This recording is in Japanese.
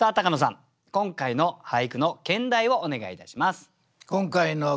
今回の俳句の兼題をお願いいたします。